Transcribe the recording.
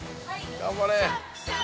頑張れ！